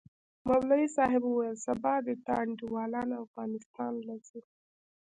مولوي صاحب وويل سبا د تا انډيوالان افغانستان له زي؟